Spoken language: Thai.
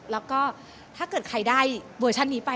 แล้วก็ถ้าเกิดใครได้เวอร์ชันนี้ไป